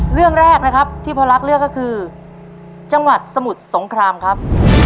เรื่องแรกนะครับที่พ่อรักเลือกก็คือจังหวัดสมุทรสงครามครับ